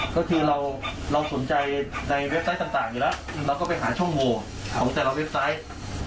ก็คือเราสนใจในเว็บไซต์ต่างอยู่แล้วเราก็ไปหาช่องโหวของแต่ละเว็บไซต์